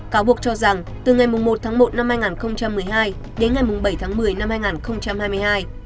cáo buộc cho rằng từ ngày một một hai nghìn một mươi hai đến ngày bảy một mươi hai nghìn hai mươi hai